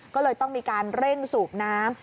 ก็เลยต้องมีการเร่งสูบน้ำ